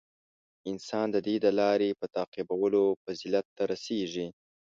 • انسان د دې د لارې په تعقیبولو فضیلت ته رسېږي.